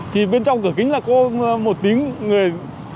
thì bên trong cửa kính là có một tính người